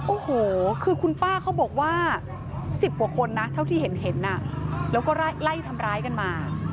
โอ้โหคือคุณป้าเขาบอกว่า๑๐กว่าคนนะเท่าที่เห็นแล้วก็ไล่ทำร้ายกันมา